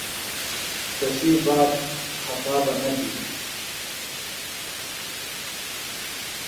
تسی باٹ خطا بہ نہ بھی دےۡ